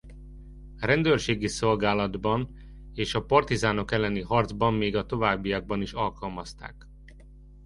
Rendőrségi szolgálatban és a partizánok elleni harcban még a továbbiakban is alkalmazták.